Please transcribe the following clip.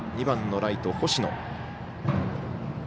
２番のライト、星野。